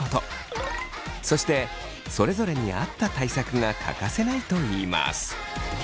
そしてそれぞれに合った対策が欠かせないといいます。